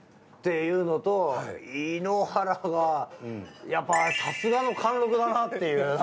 っていうのと井ノ原がやっぱさすがの貫禄だなっていう。